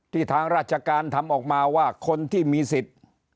ทางราชการทำออกมาว่าคนที่มีสิทธิ์